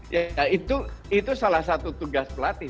ya itu salah satu tugas pelatih